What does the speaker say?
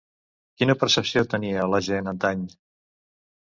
Quina percepció tenia la gent antany?